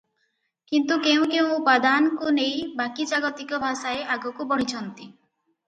କିନ୍ତୁ କେଉଁ କେଉଁ ଉପାଦାନକୁ ନେଇ ବାକି ଜାଗତିକ ଭାଷାଏ ଆଗକୁ ବଢ଼ିଛନ୍ତି?